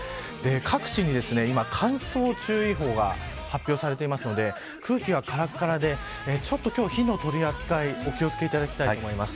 各地に今、乾燥注意報が発表されていますので空気がからからでちょっと今日は火の取り扱いお気を付けていただきたいと思います。